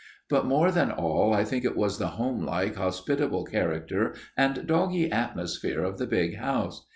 But more than all I think it was the homelike, hospitable character and doggy atmosphere of the big house.